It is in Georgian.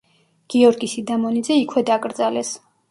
გიორგი სიდამონიძე იქვე დაკრძალეს.